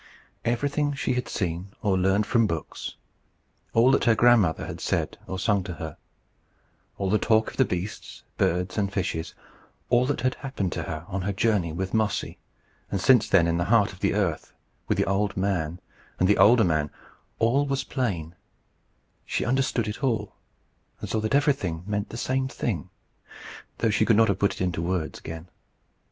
Everything she had seen, or learned from books; all that her grandmother had said or sung to her; all the talk of the beasts, birds, and fishes; all that had happened to her on her journey with Mossy, and since then in the heart of the earth with the Old man and the Older man all was plain: she understood it all, and saw that everything meant the same thing, though she could not have put it into words again.